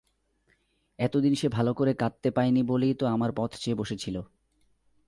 এতদিন সে ভালো করে কাঁদতে পায় নি বলেই তো আমার পথ চেয়ে বসে ছিল।